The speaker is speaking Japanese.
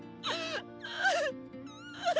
ああ！